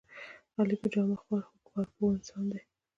علي په جامه خوار خو په کار پوره انسان دی.